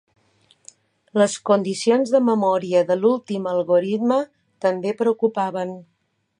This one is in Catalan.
Les condicions de memòria de l'últim algoritme també preocupaven.